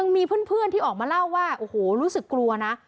มีเพื่อนที่ออกมาเล่าว่าโอ้โหรู้สึกกลัวนะ